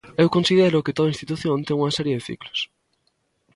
Eu considero que toda institución ten unha serie de ciclos.